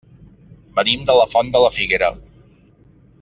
Venim de la Font de la Figuera.